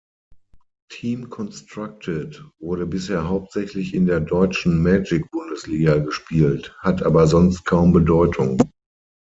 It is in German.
Team-Constructed wurde bisher hauptsächlich in der Deutschen Magic-Bundesliga gespielt, hat aber sonst kaum Bedeutung.